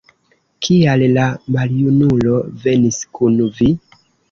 Kial la maljunulo venis kun vi?